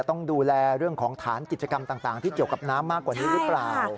ต้องดูแลเรื่องของฐานกิจกรรมต่างที่เกี่ยวกับน้ำมากกว่านี้หรือเปล่า